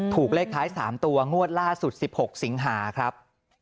ถูกเลขท้าย๓ตัวงวดล่าสุด๑๖สิงหาครับ